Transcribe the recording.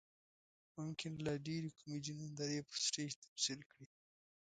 ممکن لا ډېرې کومیډي نندارې پر سټیج تمثیل کړي.